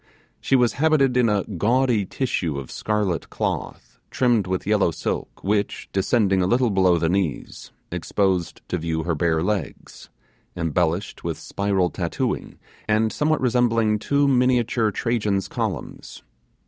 She was habited in a gaudy tissue of scarlet cloth, trimmed with yellow silk, which, descending a little below the knees, exposed to view her bare legs, embellished with spiral tattooing, and somewhat resembling two miniature Trajan's columns.